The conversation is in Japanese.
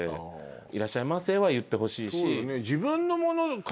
いらっしゃいませは言ってほしい。